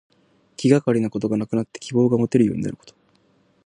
気がかりなことがなくなって希望がもてるようになること。